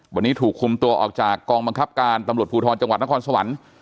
วันนี้ถูกคุมตัวออกจากกองบังคับการตำรวจภูทรจังหวัดนครสวรรค์